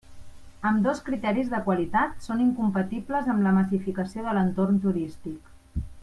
Ambdós criteris de qualitat són incompatibles amb la massificació de l'entorn turístic.